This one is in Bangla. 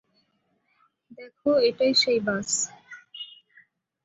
দেখ, এটাই সেই বাস।